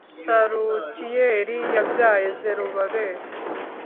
Shalutiyeli yabyaye Zerubabeli